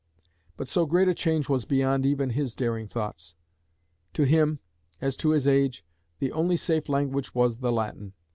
But so great a change was beyond even his daring thoughts. To him, as to his age, the only safe language was the Latin.